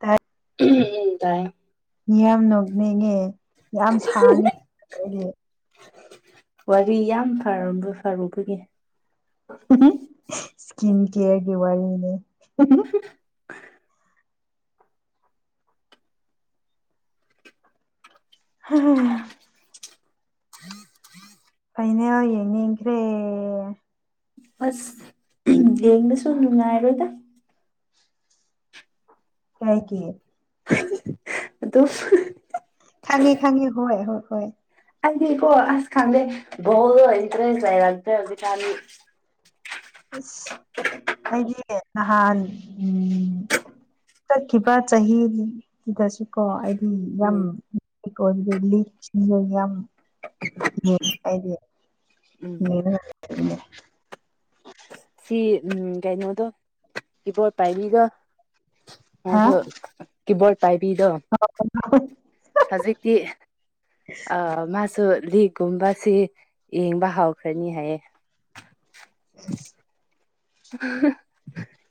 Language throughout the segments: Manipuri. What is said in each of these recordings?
ꯇꯥꯏ ꯎꯝ ꯇꯥꯏ ꯃꯤꯌꯥꯝ ꯅꯣꯛꯅꯤꯡꯉꯦ ꯌꯥꯝ ꯁꯥꯡꯉꯦ [unintelligible] ꯋꯥꯔꯤ ꯌꯥꯝ ꯐꯔꯝꯕ ꯐꯔꯨꯕꯒꯤ ꯁ꯭ꯀꯤꯟ ꯀꯦꯌꯔꯒꯤ ꯋꯥꯔꯤꯅꯤ [inaudible] [inaudible] [inaudible] ꯐꯥꯏꯅꯦꯜ ꯌꯦꯡꯅꯤꯡꯈ꯭ꯔꯦ ꯑꯁ ꯌꯦꯡꯕꯁꯨ ꯅꯨꯡꯉꯥꯏꯔꯣꯏꯗ ꯀꯥꯏꯀꯤ ꯑꯗꯣ ꯈꯪꯉꯤ ꯈꯥꯡꯉꯤ ꯍꯣꯏ ꯍꯣꯏ ꯍꯣꯏ ꯑꯗꯤ ꯀꯣ ꯑꯁ ꯈꯥꯗ ꯏꯇ꯭ꯔꯦꯁ ꯍꯥꯏꯔ ꯍꯧꯖꯤꯀ ꯏꯁꯁ ꯑꯩꯗꯤ ꯅꯍꯥꯟ ꯎꯝ ꯇꯔ ꯀꯕ ꯆꯍꯤ ꯁꯤꯗꯁꯨꯀꯣ ꯑꯩꯗꯤ ꯌꯥꯝ ꯎꯝ ꯂ ꯑꯣꯏꯕꯗꯦ ꯂꯤꯛꯁꯤꯡ ꯌꯥꯝ ꯎꯝ ꯎꯝꯦ ꯁꯤ ꯎ ꯀꯩꯅꯣꯗꯣ ꯀꯤꯕꯣꯔꯠ ꯄꯥꯏꯔꯤꯒ ꯑꯗ ꯀꯕꯣ ꯄꯕꯤꯗꯣ ꯑ [unintelligible] ꯍꯧꯖꯤꯛꯇꯤ ꯑ ꯃꯥꯁꯨ ꯂꯤꯛꯒꯨꯝꯕꯁꯤ ꯌꯦꯡꯕ ꯍꯧꯥꯎꯈ꯭ꯔꯅꯤ ꯍꯥꯏꯌꯦ [inaudible]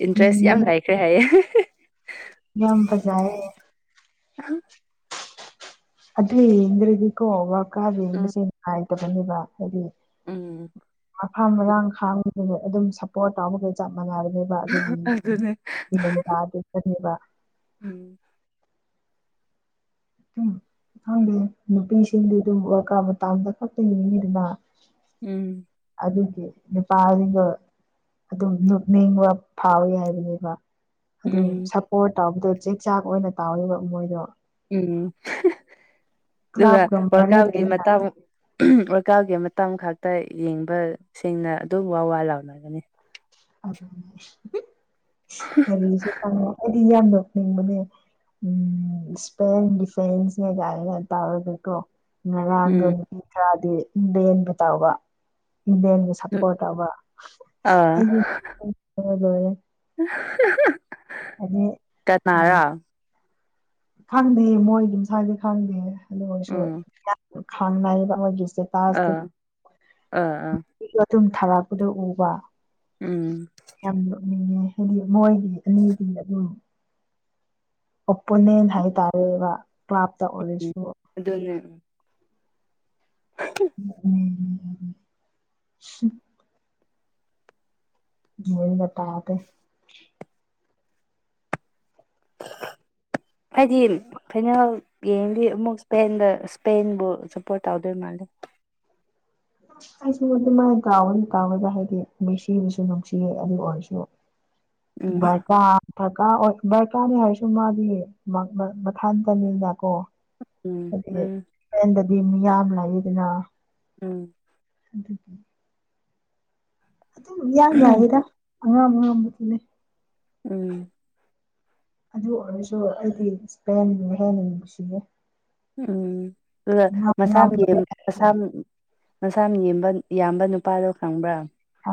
ꯏꯟꯇ꯭ꯔꯦꯁ ꯌꯥꯝ ꯌꯦꯡꯕꯗꯣ ꯂꯩꯥꯏꯈ꯭ꯔꯦ ꯍꯥꯏꯌꯦ ꯌꯥꯝ ꯐꯖꯥꯑꯦ ꯑꯗꯨ ꯌꯦꯡꯗ꯭ꯔꯗꯤꯀꯣ [unintelligible] ꯎꯝ ꯌꯦꯡꯕꯁꯦ ꯅꯨꯡꯉꯥꯏꯇꯕꯅꯦꯕ ꯍꯥꯏꯗꯤ ꯎꯝ ꯃꯐꯥꯝ ꯃꯔꯥꯡ ꯈꯥꯡꯗꯅ ꯑꯗꯨꯝ ꯁꯞꯄꯣꯔꯠ ꯇꯧꯕꯕꯒꯩ ꯆꯞ ꯃꯥꯟꯅꯕꯅꯤ ꯑꯗꯨꯒꯤ ꯑꯗꯨꯅꯦ [unintelligible] ꯍꯝ ꯈꯪꯗꯦ ꯅꯨꯄꯤꯁꯤꯡꯗꯤ ꯑꯗꯨꯝ ꯋꯥꯔꯜꯀꯕ ꯃꯇꯝꯗ ꯈꯛꯇ ꯌꯦꯡꯉꯤꯗꯅ ꯎꯝ ꯑꯗꯨꯒꯤ ꯅꯨꯄꯥ [unintelligible] ꯑꯗꯨꯝ ꯅꯣꯛꯅꯤꯡꯕ ꯐꯥꯎꯋꯤ ꯍꯥꯏꯕꯅꯦꯕ ꯑꯗꯨꯝ ꯎꯝ ꯁꯞꯄꯣꯔꯠ ꯇꯧꯕꯗꯣ ꯆꯦꯛ ꯆꯥꯛ ꯑꯣꯏꯅ ꯇꯧꯋꯦꯕ ꯃꯣꯏꯗꯣ ꯎꯝ ꯑꯗꯨꯒ ꯀ꯭ꯂꯕꯀ ꯃꯔꯤ ꯋꯥꯔꯀꯥꯎꯒꯤ ꯂꯩꯅ ꯃꯇꯥ ꯑꯣꯔꯀꯥꯎꯒꯤ ꯃꯇꯝ ꯈꯛꯇ ꯌꯦꯡꯕ ꯁꯦꯡꯅ ꯑꯗꯨ ꯋꯥ ꯋꯥ ꯂꯥꯎꯅꯒꯅꯤ ꯑꯗꯨ ꯀꯔꯤꯁꯨꯉ ꯍꯥꯏꯗꯤ ꯌꯥꯝ ꯅꯣꯛꯅꯤꯡꯕꯅꯦ ꯎꯝ ꯏꯁꯄꯦꯟ ꯗꯤꯐꯦꯟꯁ ꯀꯩ ꯀꯥꯏꯅ ꯇꯧꯔꯒꯀꯣ ꯉꯔꯥꯡꯗ ꯎꯝ ꯅꯨꯄꯤ ꯈꯔꯗꯤ ꯏꯕꯦꯟꯒ ꯇꯧꯕ ꯏꯕꯦꯟꯒ ꯁꯞꯄꯣꯔꯠ ꯇꯧꯕ ꯑꯥ ꯑꯩꯗꯤ ꯂꯣꯏꯔꯦ ꯍꯥꯏꯗꯤ ꯀꯅꯥꯔꯥ ꯎ ꯈꯪꯗꯦ ꯃꯣꯏ ꯑꯗꯨꯝ ꯁ꯭ꯋꯥꯏꯗ ꯈꯪꯗꯦ ꯑꯗꯨ ꯑꯣꯏꯔꯁꯨ ꯎꯝ ꯈꯪꯅꯔꯤꯕ ꯃꯣꯏꯒꯤ ꯏꯁꯇꯦꯇꯥꯇꯨ ꯑꯥ ꯑꯥ ꯑꯥ ꯇꯨꯝ ꯊꯥꯔꯛꯄꯗ ꯎꯕ ꯎꯝ ꯌꯥꯝ ꯅꯣꯛꯅꯤꯡꯉꯦ ꯍꯥꯏꯗꯤ ꯃꯣꯏꯒꯤ ꯑꯅꯤꯗꯤ ꯑꯗꯨꯝ ꯑꯣꯄꯣꯅꯦꯟ ꯍꯥꯏꯇꯥꯔꯦꯕ ꯀ꯭ꯂꯥꯞꯇ ꯑꯣꯏꯔꯁꯨ ꯑꯗꯨꯗꯣꯟꯅ ꯁꯤ ꯍ ꯇꯥꯗꯦ [inaudible] ꯍꯥꯏꯗꯤ ꯐꯤꯅꯥꯜ ꯌꯦꯡꯗꯤ ꯑꯃꯨꯛ ꯏꯁꯄꯦꯟꯗ ꯏꯁꯄꯦꯟꯕꯨ ꯁꯞꯄꯣꯔꯠ ꯇꯧꯗꯣꯏ ꯃꯥꯜꯂꯦ ꯑꯩꯁꯨ ꯑꯗꯨꯃꯥꯏꯅ ꯇꯥꯎꯋꯗꯤ ꯇꯥꯎꯋꯗ ꯍꯥꯏꯗꯤ ꯅꯨꯡꯁꯤꯕꯁꯨ ꯅꯨꯡꯁꯤꯌꯦ ꯑꯗꯨ ꯑꯣꯏꯔꯁꯨ ꯇ [unintelligible] ꯎꯝ ꯗꯔꯀꯥꯔ ꯑꯣꯏ ꯗꯕꯔꯀꯥꯔꯅꯤ ꯍꯥꯏꯔꯁꯨ ꯃꯥꯗꯤ ꯃꯊꯥꯇꯅꯤꯅ ꯀꯣ ꯎꯝ ꯑꯗꯨ ꯎꯝ ꯍꯦꯟꯗꯗꯤ ꯌꯥꯝ ꯂꯏꯗꯅ ꯎꯝ [unintelligible] ꯑꯗꯨꯝ ꯌꯥꯝ ꯌꯥꯏꯌꯦꯗ ꯑꯉꯥꯡꯝ ꯑꯉꯥꯡꯝꯕꯗꯨꯅꯦ ꯎꯝ ꯑꯗꯨ ꯑꯣꯏꯔꯁꯨ ꯑꯩꯗꯤ ꯏꯁꯄꯦꯟꯒ ꯍꯦꯟꯅ ꯅꯨꯡꯁꯤꯌꯦ ꯎꯝ ꯑꯗꯨꯒ ꯑꯉꯥꯝ ꯃꯁꯥ ꯃ ꯑꯉꯥꯝꯕ ꯃꯁꯝ ꯃꯁꯝꯕ ꯌꯦꯝꯕ -ꯌꯥꯝꯕ ꯅꯨꯄꯥꯗꯣ ꯈꯪꯕ꯭ꯔꯥ ꯑ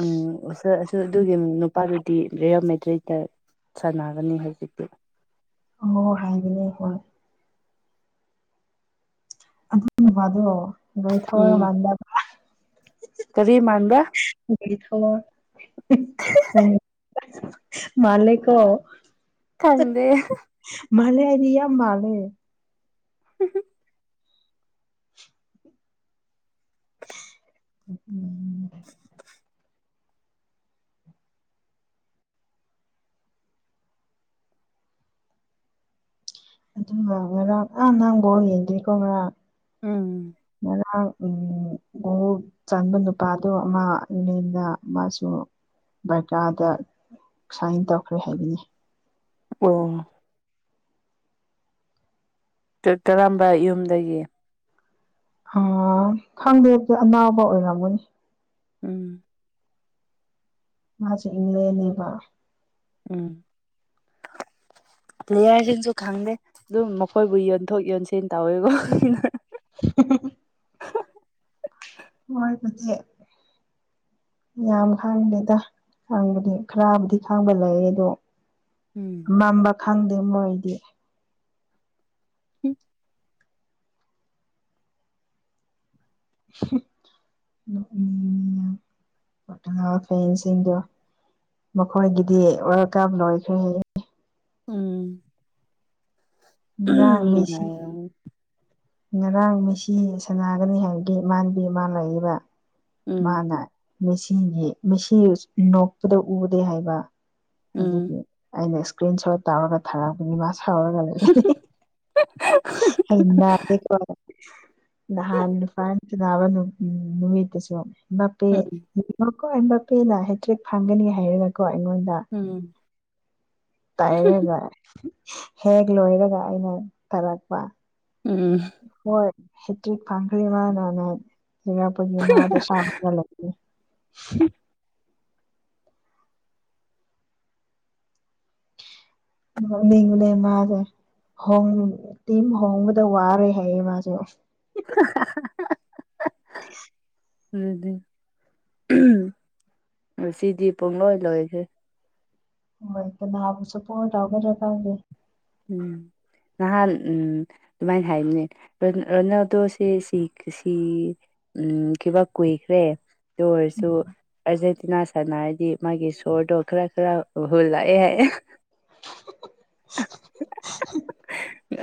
ꯎꯝ ꯑꯁ -ꯑꯁ ꯑꯗꯨꯒꯤ ꯅꯨꯄꯥꯗꯨꯗꯤ ꯔꯤꯌꯦꯜ ꯃꯦꯗ꯭ꯔꯤꯠꯇ ꯁꯥꯟꯅꯥꯒꯅꯤ ꯍꯧꯖꯤꯛꯇꯤ ꯑꯣ ꯍꯥꯏꯕꯅꯦ ꯍꯣꯏ ꯑꯗꯨ ꯅꯨꯄꯥꯗꯣ ꯒꯔꯤ ꯊꯧꯔ ꯎꯝ ꯂꯥꯝꯅꯦ ꯍꯤꯍꯤ ꯀꯔꯤ ꯃꯥꯟꯕ꯭ꯔꯥ [unintelligible] ꯍꯝ ꯅꯪ ꯃꯥꯜꯂꯦꯀꯣ ꯀꯟꯗꯦ ꯍꯥ ꯃꯥꯂꯦ ꯍꯥꯏꯗꯤ ꯌꯥꯝ ꯃꯥꯂꯦ [inaudible] ꯎꯝ [inaudible] ꯑꯗꯨꯒ ꯉꯦꯔꯥꯡ ꯑꯥ ꯅꯍꯪ ꯕꯣꯔꯣ ꯌꯦꯡꯗ꯭ꯔꯤꯀꯣ ꯃꯦꯔꯥꯡ ꯎꯝ ꯃ ꯎꯝ ꯆꯟꯕ ꯅꯨꯄꯥꯗꯣ ꯃꯥꯅ ꯃꯥꯁꯨ ꯕꯔꯀꯥꯗ ꯁꯨꯃꯥꯏꯟ ꯇꯧꯈ꯭ꯔꯦ ꯍꯥꯏꯕꯅꯤ ꯑꯣ ꯀ -ꯀꯔꯝꯕ ꯌꯨꯝꯗꯒꯤ ꯑꯥ ꯈꯥꯡꯗꯦꯗꯤ ꯑꯅꯥꯕ ꯑꯣꯏꯔꯝꯒꯅꯤ ꯎꯝ ꯃꯥꯁꯦ ꯢꯪꯂꯦꯟꯅꯦꯕ ꯎꯝ [inaudible] ꯄ꯭ꯂꯦꯌꯔꯁꯤꯡꯁꯨ ꯈꯪꯗꯦ ꯑꯗꯨꯝ ꯃꯈꯣꯏꯕꯨ ꯌꯣꯟꯊꯣꯛ ꯌꯣꯟꯁꯤꯟ ꯇꯧꯋꯦꯀꯣ ꯑꯩꯅ [unintelligible] ꯃꯣꯏꯕꯨꯗꯤ ꯌꯥꯝ ꯍꯥꯡꯗꯦꯗ ꯉꯥꯡꯕꯗꯤ ꯈꯔꯥꯕꯨꯗꯤ ꯈꯥꯡꯕ ꯂꯩꯌꯦ ꯗꯣ ꯎꯝ ꯃꯝꯕ ꯈꯪꯗꯦ ꯃꯣꯏꯗꯤ ꯍꯝ ꯅꯣꯛꯅꯤꯡꯉꯦ ꯌꯥꯝ [unintelligible] ꯐꯦꯟꯁꯤꯡ ꯗꯣ ꯃꯈꯣꯏꯒꯤꯗꯤ ꯋꯥꯔꯜꯗ ꯀꯕ ꯂꯣꯏꯈ꯭ꯔꯦ ꯍꯥꯏꯌꯦ ꯉꯔꯥꯡ ꯎꯍꯝ ꯃꯦꯁꯤ ꯉꯥꯏꯔꯝ ꯉꯔꯥꯡ ꯃꯦꯁꯤ ꯁꯅꯥꯒꯅꯤ ꯍꯥꯏꯕꯒꯤ ꯃꯥꯟꯅꯗꯤ ꯃꯥ ꯂꯩꯌꯦꯕ ꯎꯝ ꯃꯥꯅ ꯃꯦꯁꯤꯒꯤ ꯃꯦꯁꯤ ꯅꯣꯛꯄꯗꯣ ꯎꯗꯦ ꯍꯥꯏꯕ ꯎꯝ ꯑꯗꯨꯒꯤ ꯑꯩꯅ ꯁꯀ꯭ꯔꯤꯟ ꯁꯣꯠ ꯇꯧꯔꯒ ꯊꯥꯔꯛꯄꯅꯤ ꯃꯥ ꯁꯥꯎꯔꯒ ꯂꯩꯌꯦ [unintelligible] ꯑꯩ ꯅꯥꯗꯦꯀꯣ ꯅꯍꯥꯟ ꯅꯨꯄꯥꯥ ꯇꯤꯟꯅꯕ ꯅꯨ -ꯅꯨꯃꯤꯠ ꯗꯨꯁꯨ ꯅꯞꯄꯦ ꯎꯝ ꯌꯦꯡꯉꯣꯀꯣ ꯑꯩ ꯅꯞꯄꯦꯅ ꯍꯦꯇ꯭ꯔꯦꯛ ꯐꯪꯒꯅꯤ ꯍꯥꯏꯔꯒꯀꯣ ꯑꯩꯉꯣꯟꯗ ꯎꯝ ꯇꯥꯏꯔꯒ ꯍꯦꯛ ꯂꯣꯏꯔꯒ ꯑꯩꯅ ꯇꯥꯔꯛꯄ ꯎꯝ ꯍꯣꯏ ꯍꯦꯇ꯭ꯔꯤꯛ ꯐꯪꯈ꯭ꯔꯦ ꯃꯥꯅꯅ ꯂꯩꯔꯛꯄꯒꯤ ꯃꯥꯗꯣ ꯁꯥꯎꯔꯒ ꯂꯩꯌꯦ [unintelligible] ꯅꯣꯛꯅꯤꯡꯕꯅꯦ ꯃꯥꯗꯣ ꯍꯣꯡ -ꯇꯤꯝ ꯍꯣꯡꯕꯗ ꯋꯥꯔꯦ ꯍꯥꯏꯌꯦ ꯃꯥꯁꯨ [unintelligible] ꯎꯝꯗꯨ [unintelligible] ꯉꯁꯤꯗꯤ ꯄꯨꯡꯂꯣꯏ ꯂꯣꯏꯈ꯭ꯔꯦ ꯍꯣꯏ ꯀꯅꯥꯕꯨꯁꯨ ꯀꯣꯜ ꯇꯧꯒꯗ꯭ꯔꯥ ꯈꯪꯗꯦ ꯎꯝ ꯅꯍꯥꯟ ꯎꯝ ꯗꯨꯃꯥꯏꯅ ꯍꯥꯏꯕꯅꯦ ꯔꯣꯅꯥꯜ- ꯔꯣꯅꯥꯜꯗꯣꯁꯦ ꯁꯤ- ꯁꯤ ꯎꯝ ꯀꯩꯕ ꯀꯨꯏꯈ꯭ꯔꯦ ꯑꯗꯨ ꯑꯣꯏꯔꯁꯨ ꯑꯥꯔꯖꯦꯟꯇꯤꯅꯥ ꯁꯥꯟꯅꯔꯗꯤ ꯃꯥꯒꯤ ꯁꯣꯔꯗꯣ ꯈꯔ ꯈꯔ ꯍꯣꯜꯂꯛꯑꯦ ꯍꯥꯏꯌꯦ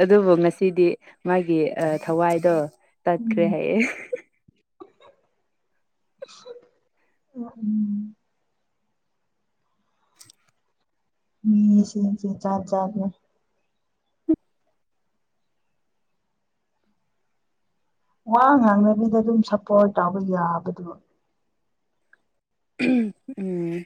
ꯑꯗꯨꯕꯨ ꯉꯁꯤꯗꯤ ꯃꯥꯒꯤ ꯑꯥ ꯊꯋꯥꯏꯗꯣ ꯇꯠꯈ꯭ꯔꯦ ꯎꯝ ꯍꯥꯏꯌꯦ ꯎꯝ ꯎꯝ ꯎꯝ ꯃꯤꯁꯤꯁꯦ ꯖꯥꯠ ꯖꯥꯠꯅꯦ ꯋꯥ ꯉꯥꯡꯅꯕꯤꯗ ꯑꯗꯨꯝ ꯁꯞꯄꯣꯔꯠ ꯇꯧꯕ ꯌꯥꯕꯗꯨꯕꯨ [unintelligible] ꯎꯝ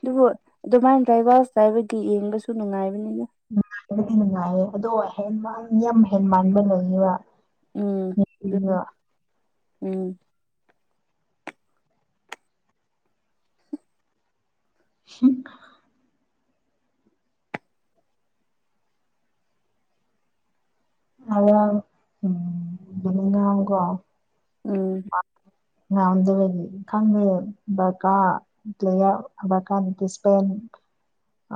ꯑꯗꯨꯕꯨ ꯑꯗꯨꯃꯥꯏꯅ ꯗ꯭ꯔꯥꯏꯚꯔꯁ ꯇꯧꯕꯒꯤ ꯌꯦꯡꯕꯁꯨ ꯅꯨꯡꯉꯥꯏꯕꯅꯤꯅꯦ ꯅꯨꯡꯉꯥꯏꯕꯗꯤ ꯅꯨꯡꯉꯥꯏꯌꯦ ꯑꯗꯣ ꯍꯦꯟꯃꯟ ꯌꯥꯝ ꯍꯦꯟꯃꯟꯕ ꯂꯩꯌꯦꯕ ꯎꯝ ꯃꯦꯁꯤꯗꯣ ꯗꯨꯗꯨ ꯎꯝ [unintelligible] ꯑꯋꯥ ꯎꯝ ꯕꯅꯤꯉꯥꯡ ꯀꯣ ꯎꯝ ꯈꯪꯕꯅꯦ ꯀꯩꯀꯥ [unintelligible]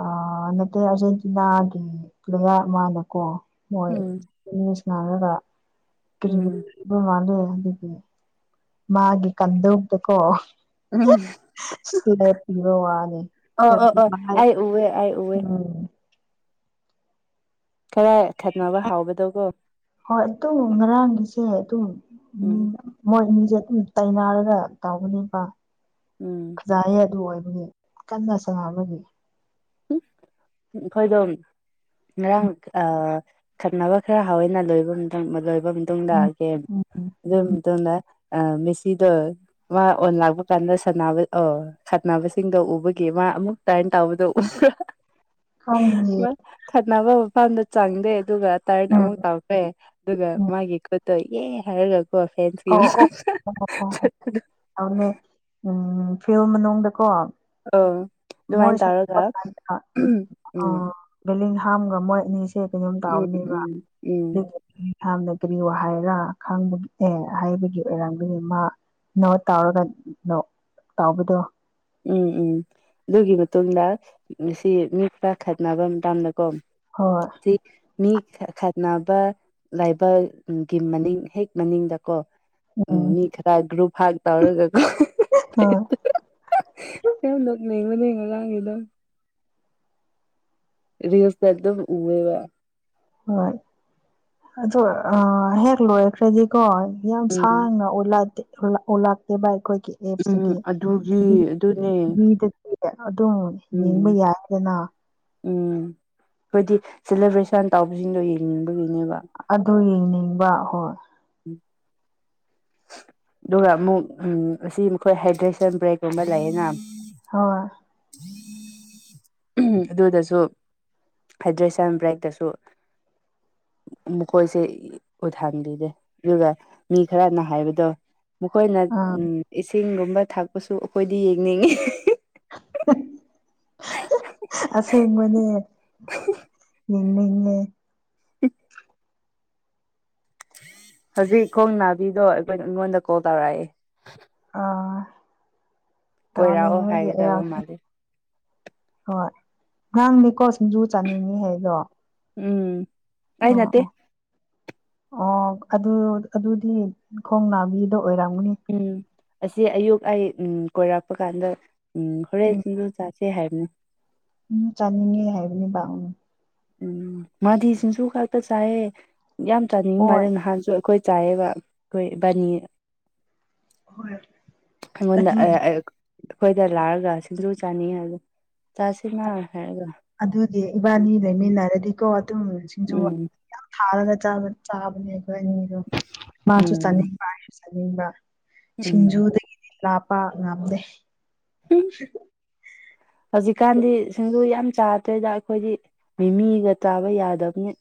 ꯑꯥ ꯅꯠꯇꯦ ꯑꯥꯔꯖꯦꯟꯇꯤꯅꯥꯒꯤ ꯄ꯭ꯂꯦꯌꯥꯔ ꯑꯃꯅꯥꯀꯣ ꯍꯣꯏ ꯎꯝ ꯃꯤ ꯁꯥꯔꯥꯒ ꯀꯔꯤꯗ ꯎꯝ ꯄꯤꯕ ꯃꯥꯂꯦ ꯑꯗꯨꯗꯤ ꯃꯥꯒꯤ ꯀꯟꯗꯧꯇꯀꯣ ꯎꯝ ꯁꯤꯗ ꯄꯤꯕ ꯋꯥꯅꯤ ꯑꯣ ꯑꯣ ꯀꯔꯤ ꯑꯣ ꯃꯥꯏ ꯑꯩ ꯎꯋꯦ ꯑꯩ ꯎꯋꯦ ꯎꯝ ꯈꯔ ꯈꯠꯅꯕ ꯍꯥꯎꯕꯗꯣꯀꯣ ꯍꯣꯏ ꯑꯗꯨꯝ ꯉꯔꯥꯡꯒꯤꯁꯦ ꯑꯗꯨꯝ ꯃꯤ ꯎꯝ ꯌꯥꯝ ꯃꯣꯏ ꯑꯅꯥꯖꯦ ꯑꯗꯨꯝ ꯇꯩꯅꯥꯔꯒ ꯀꯥꯎꯒꯅꯦꯕ ꯎꯝ ꯖꯥꯌꯦ ꯑꯗꯨ ꯑꯣꯏꯕꯒꯤ ꯀꯟꯅ ꯁꯥꯟꯅꯕꯒꯤ ꯑꯩꯈꯣꯏꯗꯣ ꯉꯔꯥꯡ ꯑꯥ ꯊꯟꯅꯕ ꯈꯔ ꯍꯥꯎꯋꯦꯅ ꯂꯣꯏꯕ ꯃꯇꯝꯗ ꯂꯣꯏꯕ ꯕꯃꯇꯨꯡꯗ ꯒꯦꯝ ꯎꯝ ꯑꯗꯨ ꯃꯇꯨꯡ ꯃꯇꯨꯡꯗ ꯃꯦꯁꯤꯗꯣ ꯃꯥ ꯑꯣꯟ ꯂꯥꯛꯕ ꯀꯥꯟꯗ ꯁꯥꯟꯅꯕ ꯑꯣ ꯈꯠꯅꯕꯁꯤꯡꯗꯣ ꯎꯕꯒꯤ ꯃꯥ ꯑꯃꯨꯛ ꯇꯔꯟ ꯇꯥꯎꯕꯗ ꯎꯕ꯭ꯔꯥ ꯈꯪꯗꯤꯌꯦ ꯈꯠꯅꯥꯕ ꯃꯐꯝꯗ ꯆꯪꯗꯦ ꯑꯗꯨꯒ ꯇꯔꯟ ꯎꯝ ꯑꯃꯨꯛ ꯇꯧꯈꯔꯦ ꯑꯗꯨꯒ ꯎꯝ ꯃꯥꯒꯤ ꯈꯨꯠꯇꯣ ꯑꯦ ꯍꯥꯏꯔꯒ [unintelligible] ꯑꯧꯅꯦ ꯎꯝ ꯐꯤꯜꯗ ꯃꯅꯨꯡꯗꯀꯣ ꯑꯣ ꯃꯣꯏ ꯑꯗꯨꯃꯥꯏꯟ ꯁꯥꯟꯅꯕ ꯇꯧꯔꯒ ꯀꯥꯟꯗ ꯎꯝ ꯑꯥ ꯕꯦꯂꯤꯡꯍꯥꯝꯒ ꯃꯣꯏ ꯑꯅꯤꯁꯦ ꯀꯩꯅꯣꯝ ꯎꯝ ꯇꯥꯎꯕꯅꯦꯕ ꯎꯝ ꯎꯝ ꯑꯗꯨ [unintelligible] ꯀꯔꯤ ꯋꯥ ꯍꯥꯏꯔꯥ ꯈꯪꯕ ꯑꯦ ꯍꯥꯏꯕꯒꯤ ꯑꯣꯏꯔꯝꯒꯅꯤ ꯃꯥ ꯅꯣꯠ ꯇꯧꯔꯒ ꯇꯥꯕꯗꯣ ꯎꯝ ꯎꯝ ꯑꯗꯨꯒꯤ ꯃꯇꯨꯡꯗ ꯉꯁꯤ ꯃꯤ ꯈꯔ ꯈꯠꯅꯕ ꯃꯇꯝꯗꯀꯣ ꯍꯣꯏ ꯃꯤ ꯈꯠꯅꯕ ꯂꯥꯏꯕꯛ ꯒꯤ ꯃꯅꯤꯡ ꯍꯦꯛ ꯃꯅꯤꯡꯗꯀꯣ ꯎꯝ ꯃꯤ ꯈꯔꯒ꯭ꯔꯨꯨꯞ ꯐꯥꯏꯠ ꯇꯩꯔꯒꯀꯣ [unintelligible] ꯌꯥꯝ ꯅꯣꯛꯅꯤꯡꯕꯅꯦ ꯉꯔꯥꯡꯒꯤꯗꯣ ꯔꯤꯜꯁꯇ ꯑꯗꯨꯝ ꯎꯋꯦꯕꯥ ꯍꯣꯏ ꯑꯗꯣ ꯑꯥ ꯍꯦꯛ ꯂꯣꯏꯈ꯭ꯔꯗꯤꯀꯣ ꯌꯥꯝ ꯎꯝ ꯁꯥꯡꯅ ꯑꯣꯂꯥꯗꯦ ꯑꯣꯂꯥꯛꯇꯦꯕ ꯑꯩꯈꯣꯏꯒꯤ ꯑꯦꯞꯁꯇꯗꯤ ꯎꯝ ꯑꯗꯨꯒꯤ ꯇꯤꯚꯤ ꯑꯗꯨꯅꯦ ꯇꯤꯚꯤꯗꯗꯤ ꯑꯗꯨꯝ ꯌꯦꯡꯕ ꯎꯝ ꯌꯥꯏꯗꯅ ꯎꯝ ꯑꯈꯣꯏꯗꯤ ꯁꯦꯂꯦꯕ꯭ꯔꯦꯁꯟ ꯇꯧꯕꯁꯤꯡꯗꯣ ꯌꯦꯡꯅꯤꯡꯕꯒꯤꯅꯦꯕ ꯑꯗꯨ ꯌꯦꯡꯅꯤꯡꯕ ꯍꯣꯏ [inaudible] ꯑꯗꯨꯒ ꯑꯃꯨꯛ ꯎ ꯑꯁꯤ ꯃꯈꯣꯏ ꯍꯥꯏꯗ꯭ꯔꯦꯁꯟ ꯕ꯭ꯔꯦꯛꯀꯨꯝꯕ ꯂꯩꯌꯦꯅ [unintelligible] ꯎꯝ ꯑꯗꯨꯗꯁꯨ ꯍꯥꯏꯗ꯭ꯔꯦꯁꯟ ꯕ꯭ꯔꯦꯛꯇꯁꯨ ꯃꯈꯣꯏꯁꯦ ꯎꯊꯥꯡꯕꯤꯔꯦ ꯑꯗꯨꯒ ꯃꯤ ꯈꯔꯅ ꯍꯥꯏꯕꯗꯣ ꯃꯈꯣꯏꯅ ꯑꯥ ꯏꯁꯤꯡꯒꯨꯝꯕ ꯊꯥꯛꯄꯁꯨ ꯑꯩꯈꯣꯏꯗꯤ ꯌꯦꯡꯅꯤꯡꯏꯤ [unintelligible] ꯑꯁꯦꯡꯕꯅꯦ ꯌꯦꯡꯅꯤꯡ ꯑꯦ [unintelligible] ꯍꯧꯖꯤꯛ ꯈꯣꯡ ꯅꯥꯕꯤꯗꯣ ꯑꯩꯈꯣꯏ ꯑꯩꯉꯣꯟꯗ ꯀꯣꯜ ꯇꯧꯔꯛꯑꯦ ꯑꯥ ꯀꯣꯏꯔꯛꯑꯣ ꯇꯧꯅꯤꯡꯕꯒꯤ ꯍꯥꯏꯒꯗꯕ [unintelligible] ꯃꯥꯜꯂꯦ ꯍꯣꯏ ꯅꯪꯅꯤꯀꯣ ꯁꯤꯡꯖꯨ ꯆꯥꯅꯤꯡꯅꯤ ꯍꯥꯏꯗꯣ ꯎꯝ ꯑꯩ ꯑꯣ ꯅꯠꯇꯦ ꯑꯣ ꯑꯣ ꯑꯗꯨ ꯑꯗꯨꯗꯤ ꯈꯣꯡ ꯅꯥꯕꯤꯗꯣ ꯑꯣꯏꯔꯝꯒꯅꯤ ꯎꯝ ꯑꯁꯤ ꯑꯌꯨꯛ ꯑꯩ ꯎꯝ ꯀꯣꯏꯔꯛꯄ ꯀꯥꯟꯗ ꯎꯝ ꯍꯣꯔꯦꯟ ꯎꯝ ꯁꯤꯡꯖꯨ ꯆꯥꯁꯤ ꯁꯤ ꯍꯥꯏꯕꯅꯤ ꯎꯝ ꯆꯥꯅꯤꯡꯉꯦ ꯍꯥꯏꯕꯅꯤꯕ ꯎꯝ ꯎꯝ ꯃꯥꯗꯤ ꯁꯤꯡꯁꯖꯨ ꯈꯛꯇ ꯆꯥꯏꯑꯦ ꯌꯥꯝ ꯆꯥꯅꯤꯡꯕ ꯍꯣꯏ ꯃꯥꯜꯂꯦ ꯅꯍꯥꯟꯁꯨ ꯑꯩꯈꯣꯏ ꯆꯥꯏꯑꯦꯕ ꯑꯩꯈꯣꯏ ꯏꯕꯥꯅꯤ ꯍꯣꯏ ꯑꯩꯉꯣꯟꯗ ꯑ ꯑ ꯑꯗꯨꯒꯤ ꯑꯩꯈꯣꯏꯗ ꯂꯥꯛꯑꯒ ꯁꯤꯡꯖꯨ ꯆꯥꯅꯤꯡꯑꯦ ꯍꯥꯏꯗ ꯆꯥꯁꯤꯅ ꯍꯥꯏꯔꯒ ꯑꯗꯨꯗꯤ ꯏꯕꯥꯅꯤ ꯂꯩꯃꯤꯟꯅꯔꯗꯤꯀꯣ ꯑꯗꯨꯝ ꯁꯤꯡꯖꯨ ꯎꯝ ꯌꯥꯝ ꯊꯥꯔꯒ ꯆꯥ ꯆꯥꯕꯅꯦ ꯑꯅꯤꯗꯣ ꯃꯥꯁꯨ ꯎꯝ ꯆꯥꯅꯤꯡꯕ ꯑꯩꯁꯨ ꯆꯥꯅꯤꯡꯕ ꯎꯝ ꯁꯤꯡꯖꯨꯗꯒꯤꯗꯤ ꯂꯥꯞꯄ ꯉꯝꯗꯦ ꯍꯧꯖꯤꯛꯀꯥꯟꯗꯤ ꯁꯤꯡꯖꯨ ꯌꯥꯝ ꯆꯥꯗ꯭ꯔꯦꯗ ꯑꯩꯈꯣꯏꯗꯤ ꯃꯤꯃꯤꯒ ꯆꯥꯕ ꯌꯥꯗꯕꯅꯤ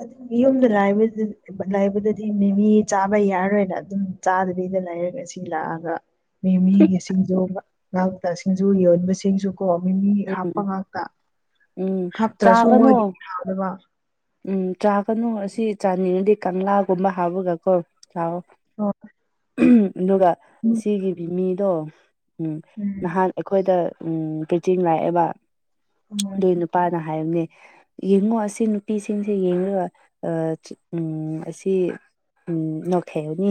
ꯑꯗꯨ ꯗꯤ ꯌꯨꯝꯗ ꯂꯥꯏꯕꯗꯨ ꯂꯩꯕꯗꯗꯤ ꯃꯤꯃꯤ ꯆꯥꯕ ꯌꯥꯔꯔꯣꯏꯅ ꯑꯗꯨꯝ ꯆꯥꯗꯕꯤꯗ ꯂꯩꯔꯒ ꯁꯤ ꯂꯥꯛꯑꯒ ꯃꯤꯒꯤꯁꯤꯡꯁꯨ ꯉꯥꯎꯇ ꯁꯤꯡꯁꯨ ꯌꯣꯟꯕꯁꯤꯡꯁꯨ ꯀꯣ ꯃꯤꯃꯤ ꯎꯝ ꯍꯥꯞꯄ ꯉꯥꯛꯇ ꯎꯝ ꯍꯥꯞꯇ꯭ꯔꯁꯨ ꯆꯥꯒꯅꯨ ꯃꯣꯏꯒꯤ ꯍꯥꯞꯅꯕ ꯎꯝ ꯆꯥꯒꯅꯨ ꯑꯁꯤ ꯆꯥꯅꯤꯡꯉꯗꯤ ꯀꯪꯂꯥꯒꯨꯝꯕ ꯍꯥꯞꯕꯒꯀꯣ ꯆꯥꯛꯑꯣ [unintelligible] ꯑꯗꯨꯒ ꯎꯝ ꯑꯁꯤꯒꯤꯒꯤ ꯃꯤꯗꯣ ꯎꯝ ꯅꯍꯥꯛ ꯑꯩꯈꯣꯏꯗ ꯎꯝ ꯄ꯭ꯔꯤꯇꯤꯟ ꯂꯥꯛꯑꯦꯕ ꯑꯗꯨꯏ ꯅꯨꯄꯥꯅ ꯍꯥꯏꯕꯅꯦ ꯌꯦꯡꯉꯣ ꯑꯁꯤ ꯅꯨꯄꯤꯁꯤꯡꯁꯦ ꯌꯦꯡꯉꯒ ꯑ ꯎꯝ ꯑꯁꯤ ꯎꯝ ꯅꯣꯛꯈꯤꯕꯅꯤ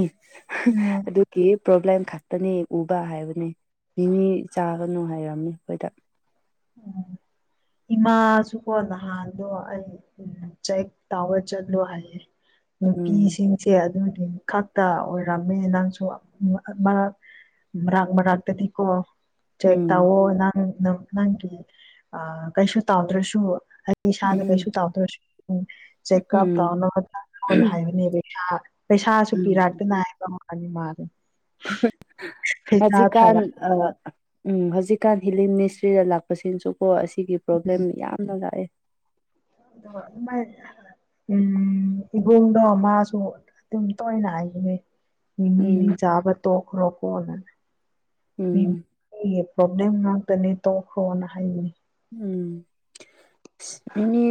ꯍꯥ ꯎꯝ ꯑꯗꯨ ꯀꯤ ꯄ꯭ꯔꯣꯕ꯭ꯂꯦꯝ ꯈꯛꯇꯅꯤ ꯎꯕ ꯍꯥꯏꯕꯅꯦ ꯃꯤꯃꯤ ꯆꯥꯒꯅꯨ ꯍꯥꯏꯔꯝꯃꯤ ꯑꯩꯈꯣꯏꯗ ꯎꯝ ꯏꯃꯥꯁꯨꯀꯣ ꯅꯍꯥꯟꯗꯣ ꯑꯩ ꯎꯝ ꯆꯦꯛ ꯇꯥꯎꯔꯥ ꯆꯠꯂꯨ ꯍꯥꯜꯂꯦ ꯎꯝ ꯅꯨꯄꯤꯁꯤꯡ ꯁꯦ ꯑꯗꯨꯗꯨ ꯈꯛꯇ ꯑꯣꯏꯔꯝꯃꯦ ꯅꯪꯁꯨ ꯃ ꯃ ꯃꯔꯛ ꯃꯔꯛ ꯇꯗꯤꯀꯣ ꯆꯦꯛ ꯎꯝ ꯇꯥꯎꯑꯣ ꯅꯪ ꯅꯪꯒꯤ ꯀꯩꯁꯨ ꯇꯥꯎꯗ꯭ꯔꯁꯨ ꯏꯁꯥꯗ ꯀꯩꯁꯨ ꯎꯝ ꯇꯧꯗ꯭ꯔꯁꯨ ꯆꯦꯛꯑꯞ ꯎꯝ ꯇꯧꯅꯕꯅ ꯍꯥꯏꯕꯅꯦꯕ ꯏꯁꯥ ꯄꯩꯁꯥꯁꯨ ꯎꯝ ꯄꯤꯔꯛꯇꯅ ꯃꯥꯅꯤ ꯃꯥꯔꯦ ꯉꯖꯤꯀꯥꯟ ꯑ ꯎꯝ ꯍꯧꯖꯤꯛꯀꯥꯟ ꯍꯤꯂꯤ ꯃꯤꯅꯤꯁꯇ꯭ꯔꯤꯗ ꯂꯥꯛꯄꯁꯤꯅꯁꯨꯀꯣ ꯑꯁꯤꯒꯤ ꯄ꯭ꯔꯣꯕ꯭ꯂꯦꯝ ꯌꯥꯝꯅ ꯂꯥꯛꯑꯦ [unintelligible] ꯎꯝ ꯏꯍꯣꯡꯗꯣ ꯃꯥꯁꯨ ꯑꯗꯨꯝ ꯇꯣꯏꯅ ꯍꯥꯏꯈꯦ ꯎꯝ ꯌꯥꯕ ꯇꯣꯈ꯭ꯔꯣ ꯀꯣꯟꯅꯅꯤ ꯎꯝ ꯄ꯭ꯔꯣꯕ꯭ꯂꯦꯝ ꯉꯥꯛꯇꯅꯤ ꯇꯣꯛꯈ꯭ꯔꯣꯅꯥ ꯍꯥꯏꯕꯅꯤ ꯎꯝ ꯃꯤꯅꯤꯠ